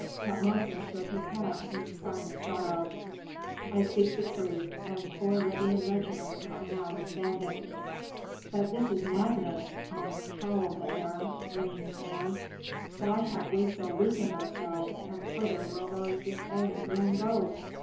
Tutmosis shook his head in sign of sorrow. "I speak the truth, and four Libyan regiments are now disbanded." "But this is madness!" almost howled the heir, wringing his hands. "Why have we so weakened ourselves, and whither will those disbanded men go?"